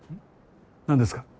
何ですか？